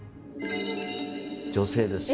女性ですよ。